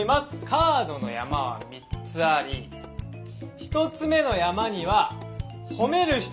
カードの山は３つあり１つ目の山には褒める人の名前が書いてあります。